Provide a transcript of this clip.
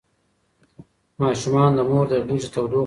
ماشومان د مور د غېږې تودوخه غواړي.